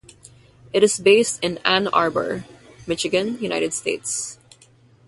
It is based in Ann Arbor, Michigan, United States.